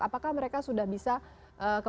apakah mereka sudah bisa kembali ke tiongkok